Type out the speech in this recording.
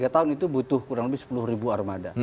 tiga tahun itu butuh kurang lebih sepuluh armada